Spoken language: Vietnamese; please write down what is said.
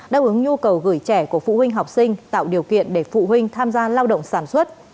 đáp ứng nhu cầu gửi trẻ của phụ huynh học sinh tạo điều kiện để phụ huynh tham gia lao động sản xuất